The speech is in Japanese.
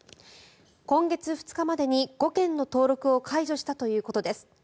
今月２日までに、５件の登録を解除したということです。